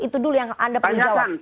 itu dulu yang anda perlu jawab